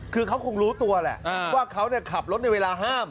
คือเขาคงรู้ตัวแหละว่าเขาขับรถในเวลาห้าม